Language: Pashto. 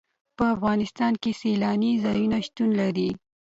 په افغانستان کې سیلانی ځایونه شتون لري.